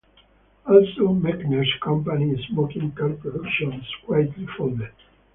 Also, Mechner's company Smoking Car Productions quietly folded.